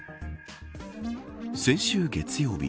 先週月曜日